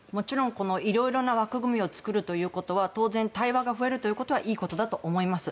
いろいろな枠組みを作るということは当然、対話が増えるということはいいことだと思います。